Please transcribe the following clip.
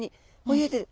泳いでる。